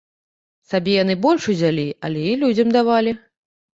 Сабе яны больш узялі, але і людзям давалі.